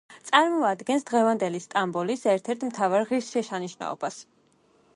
წარმოადგენს დღევანდელი სტამბოლის ერთ-ერთ მთავარ ღირსშესანიშნაობას.